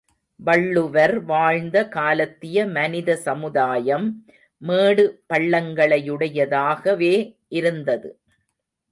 வள்ளுவர் வாழ்ந்த காலத்திய மனித சமுதாயம் மேடு பள்ளங்களையுடையதாகவே இருந்தது.